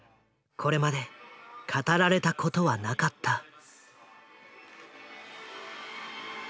これまで語られたことはなかった。